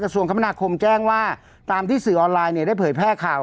กระทรวงคมภาคมแจ้งว่าตามที่สื่อออนไลน์ได้เผยแพร่ข่าว